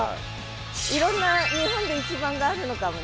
いろんな日本で一番があるのかもね。